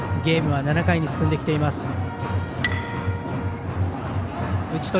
ゲームは７回に進んできています。